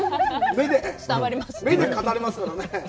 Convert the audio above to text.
目で語りますからね。